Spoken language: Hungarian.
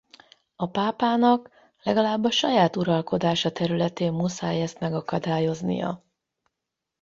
A pápának legalább a saját uralkodása területén muszáj ezt megakadályoznia.